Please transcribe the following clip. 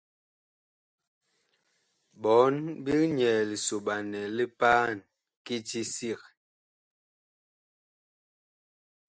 Ɓɔɔn big nyɛɛ lisoɓanɛ li paan kiti sig.